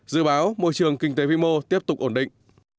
dự báo môi trường kinh tế vi mô tiếp tục ổn định